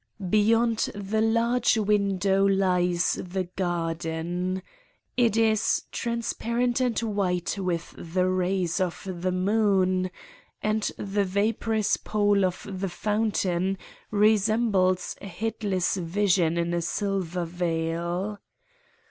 Beyond the large window lies the garden: it is transpar ent and white with the rays of the moon and the vaporous pole of the fountain resembles a headless vision in a silver veil.